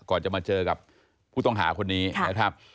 ก่อนจะมาเจอกับผู้ต้องหาคนนี้นะครับ